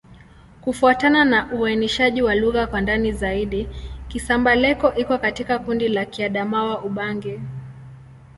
Kufuatana na uainishaji wa lugha kwa ndani zaidi, Kisamba-Leko iko katika kundi la Kiadamawa-Ubangi.